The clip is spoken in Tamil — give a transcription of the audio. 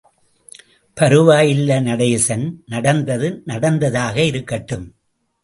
பரவாயில்லை நடேசன் நடந்தது நடந்ததாக இருக்கட்டும்.